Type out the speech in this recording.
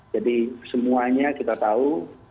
jadi semuanya kita tahu